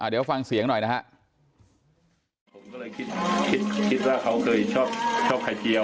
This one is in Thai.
เดี๋ยวฟังเสียงหน่อยนะฮะ